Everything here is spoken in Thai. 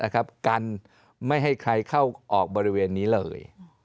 กันไม่ให้ใครเข้าออกบริเวณนี้เลย